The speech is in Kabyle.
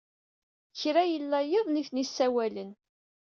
Kra yella yiḍ, nitni ssawalen.